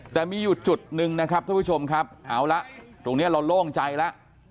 แต่มีอยู่จุดหนึ่งนะครับท่านผู้ชมครับเอาละตรงนี้เราโล่งใจแล้ว